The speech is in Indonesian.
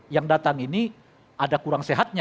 yang datang ini ada kurang sehatnya